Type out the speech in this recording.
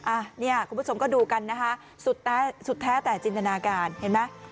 อ่ะเนี่ยคุณผู้ชมก็ดูกันนะคะสุดแท้สุดแท้แต่จินตนาการเห็นไหม